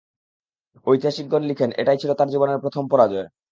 ঐতিহাসিকগণ লিখেন, এটাই ছিল তার জীবনের প্রথম পরাজয়।